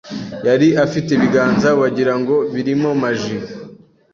Yari afite ibiganza wagira ngo birimo maji